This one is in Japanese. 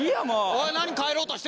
おい何帰ろうとしてるんだよ！